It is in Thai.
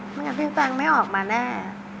ไม่งั้นพี่แฟงไม่ออกมาแน่